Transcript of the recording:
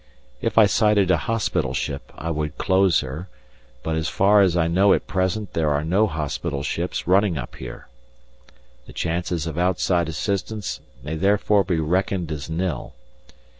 If I sighted a hospital ship I would close her, but as far as I know at present there are no hospital ships running up here. The chances of outside assistance may therefore be reckoned as nil.